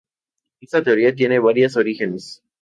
Esta teoría tiene varias orígenes.